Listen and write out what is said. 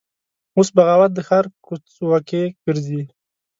اوس بغاوت د ښار کوڅ وکې ګرځي